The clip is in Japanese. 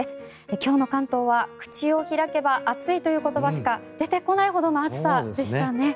今日の関東は口を開けば暑いという言葉しか出てこないほどの暑さでしたね。